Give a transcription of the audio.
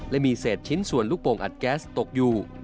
และมีเศษชิ้นส่วนลูกโป่งอัดแก๊สตกอยู่